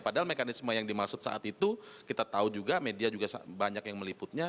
padahal mekanisme yang dimaksud saat itu kita tahu juga media juga banyak yang meliputnya